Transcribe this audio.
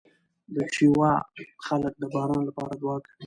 د چیواوا خلک د باران لپاره دعا کوي.